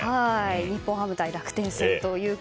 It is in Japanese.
日本ハム対楽天戦ですね。